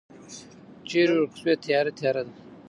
چیری ورک شوی تیاره، تیاره ده